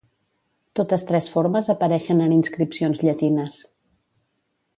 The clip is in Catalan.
Totes tres formes apareixen en inscripcions llatines.